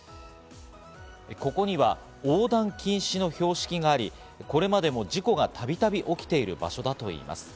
ここには横断禁止の標識があり、これまでも事故がたびたび起きている場所だといいます。